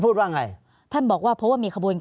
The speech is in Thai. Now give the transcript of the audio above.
ภารกิจสรรค์ภารกิจสรรค์